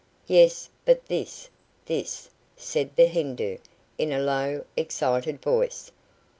"Yes, but this, this," said the Hindoo, in a low, excited voice.